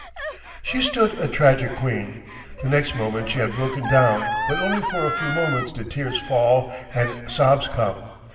She stood a tragic queen. The next moment she had broken down, but only for a few moments did tears fall and sobs come.